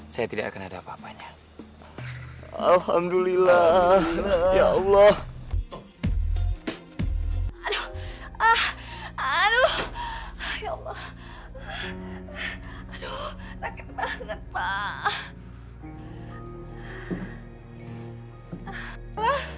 saya tidak akan ada apa apanya alhamdulillah ya allah aduh aduh aduh aduh aduh aduh aduh aduh